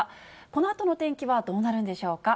このあとの天気はどうなるんでしょうか。